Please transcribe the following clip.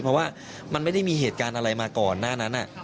เพราะว่ามันไม่ได้มีเหตุการณ์อะไรมาก่อนหน้านั้น